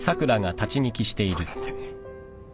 僕だってね。